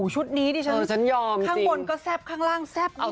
ชุดนี้นี่ฉันข้างบนก็แซ่บข้างล่างแซ่บกว่า